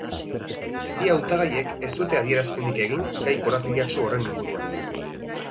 Bi hautagaiek ez dute adierazpenik egin gai korapilatsu horren inguruan.